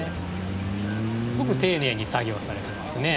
すごく丁寧に作業されてますね。